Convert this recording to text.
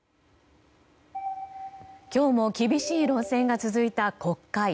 今日も厳しい論戦が続いた国会。